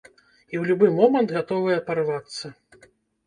І ў любы момант гатовая парвацца.